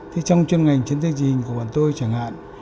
thế trong chuyên ngành chiến thức trình hình của bọn tôi chẳng hạn